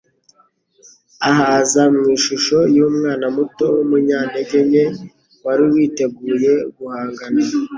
ahaza mu ishusho y'umwana muto w'umunyantege nke, wari witeguye guhangana.